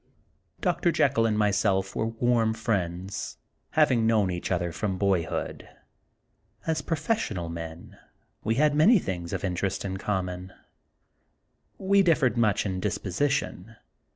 6 The Untold Sequel of Dr. Jekyll and myself were warm friends, having known each other from boyhood. As professional men we had many things of interest in common. We differed much in disposition.